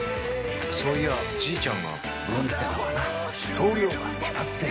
そういやじいちゃんが運ってのはな量が決まってるんだよ。